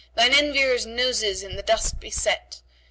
* Thine enviers' noses in the dust be set!